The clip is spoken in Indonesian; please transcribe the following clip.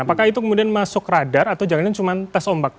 apakah itu kemudian masuk radar atau jangan jangan cuma tes ombak